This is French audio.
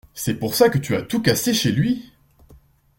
C’est pour ça que tu as tout cassé chez lui ?